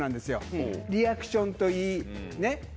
リアクションといいねっ。